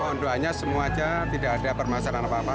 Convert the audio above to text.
mohon doanya semua saja tidak ada permasalahan apa apa